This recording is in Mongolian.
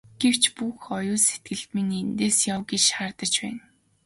Гэвч бүх оюун сэтгэл минь эндээс яв гэж шаардаж байна.